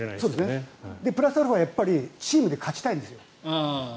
プラスアルファチームで勝ちたいんですよ。